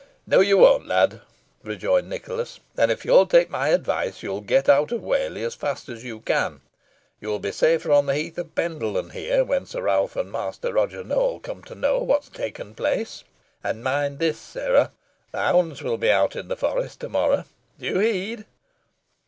"No you won't, lad," rejoined Nicholas, "and if you'll take my advice, you'll get out of Whalley as fast as you can. You will be safer on the heath of Pendle than here, when Sir Ralph and Master Roger Nowell come to know what has taken place. And mind this, sirrah the hounds will be out in the forest to morrow. D'ye heed?"